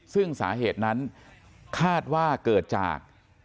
ซึ่งสาเหตุนั้นคาดว่าเกิดจาก